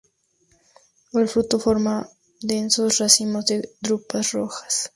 El fruto forma densos racimos de drupas rojas.